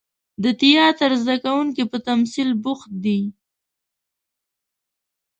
د تیاتر زده کوونکي په تمثیل بوخت دي.